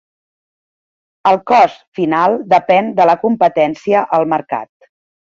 El cost final depèn de la competència al mercat.